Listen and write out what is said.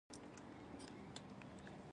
کله چې خبرې کوم، خپله ژبه ژوندی کوم.